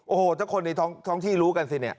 โอ้โหถ้าคนในท้องที่รู้กันสิเนี่ย